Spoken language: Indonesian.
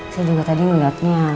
saya juga tadi ngeliatnya